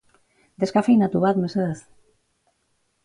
Deskafeinatu bat, mesedez.